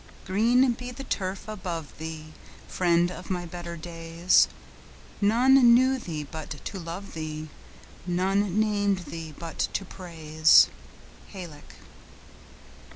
Green be the turf above thee, Friend of my better days; None knew thee but to love thee, None named thee but to praise. —HALLECK.